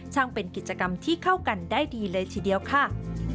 เป็นกิจกรรมที่เข้ากันได้ดีเลยทีเดียวค่ะ